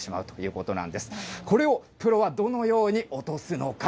これをプロはどのように落とすのか。